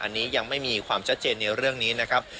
อันนี้ยังไม่มีความชัดเจนในเรื่องนี้นะครับ